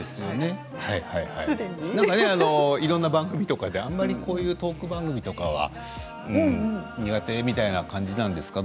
いろいろな番組とかであまりこういうトーク番組とかは苦手みたいな感じなんですか。